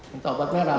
minta obat merah